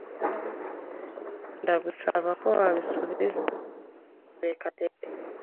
Ndagusaba ko wabisubiza Murekatete.